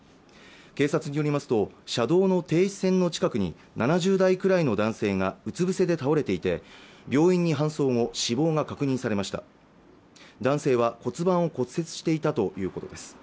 警察によりますと車道の停止線の近くに７０代くらいの男性がうつぶせで倒れていて病院に搬送後死亡が確認されました男性は骨盤を骨折していたということです